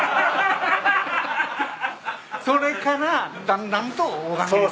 それからだんだんと大金持ちに。